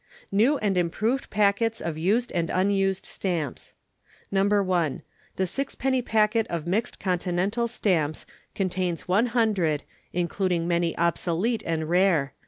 New and Improved Packets of Used and Unused Stamps. No. 1. The Sixpenny Packet of Mixed Continental Stamps contains 100, including many obsolete and rare.